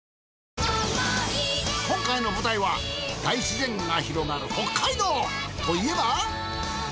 今回の舞台は大自然が広がる北海道。といえば。